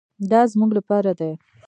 دا زموږ لپاره دي.